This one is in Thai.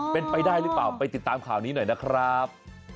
เป็นไปได้หรือเปล่าไปติดตามข่าวนี้หน่อยนะครับ